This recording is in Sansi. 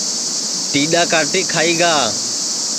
ٹیڈؔا کاٹی کھائی گا